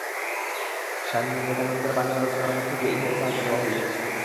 স্বামী বিবেকানন্দের বাণী ও রচনার মধ্য দিয়া ইহাই তাহাকে দেওয়া হইয়াছে।